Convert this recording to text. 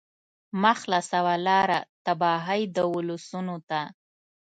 مه خلاصوه لاره تباهۍ د ولسونو ته